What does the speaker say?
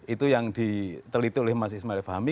itu yang diteliti oleh mas ismail fahmi